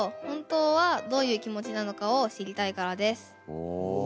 お。